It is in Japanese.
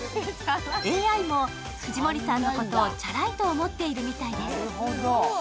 ＡＩも藤森さんのことをチャラいと思っているようです。